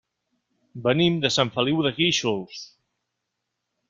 Venim de Sant Feliu de Guíxols.